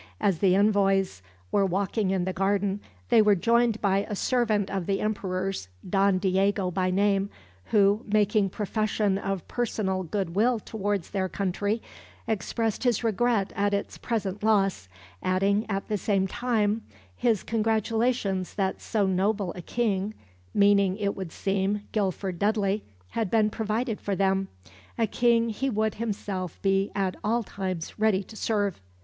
As the envoys were walking in the garden, they were joined by a servant of the Emperor's, Don Diego by name, who, making profession of personal good will towards their country, expressed his regret at its present loss, adding at the same time his congratulations that so noble a King meaning, it would seem, Guilford Dudley had been provided for them, a King he would himself be at all times ready to serve.